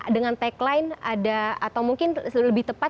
dengan tagline ada atau mungkin lebih tepat